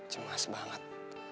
cuma kasih banget